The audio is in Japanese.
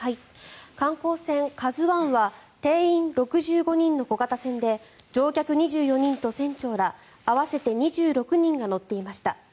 観光船「ＫＡＺＵ１」は定員６５人の小型船で乗客２４人と船長ら、合わせて２６人が乗っていました。